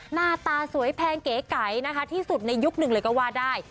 หน้าตาสวยแพงเก๋ไก่นะคะที่สุดในยุคหนึ่งเลยก็ว่าได้